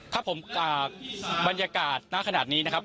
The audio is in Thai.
ครับผมบรรยากาศณขนาดนี้นะครับ